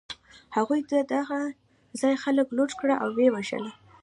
هغوی د هغه ځای خلک لوټ کړل او و یې وژل